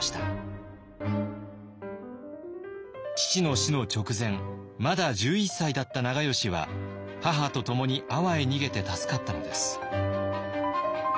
父の死の直前まだ１１歳だった長慶は母と共に阿波へ逃げて助かったのです。